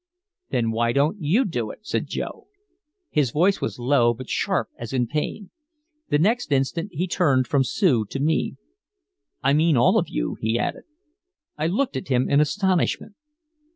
"Then why don't you do it?" said Joe. His voice was low but sharp as in pain. The next instant he turned from Sue to me. "I mean all of you," he added. I looked at him in astonishment.